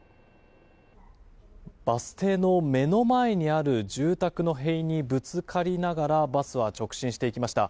バス停の目の前にある住宅の塀にぶつかりながらバスは直進していきました。